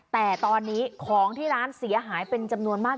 แต่ตอนนี้ของที่ร้านเสียหายเป็นจำนวนมาก